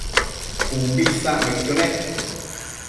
umbi isacmaiduidquio nec